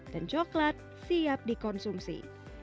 dan coklat siap dikonsumsi